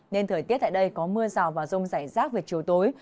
nên thời tiết tại đây có mưa rào và rông rải rác về chiều tối